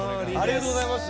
ありがとうございます！